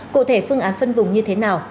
cụ thể phương án phân vùng như thế nào